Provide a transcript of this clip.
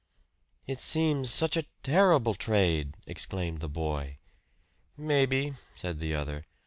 "It seems such a terrible trade!" exclaimed the boy. "Maybe," said the other.